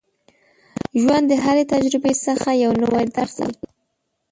ژوند د هرې تجربې څخه یو نوی درس اخلي.